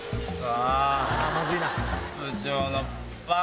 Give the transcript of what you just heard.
あ！